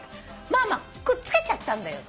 「まあまあくっつけちゃったんだよ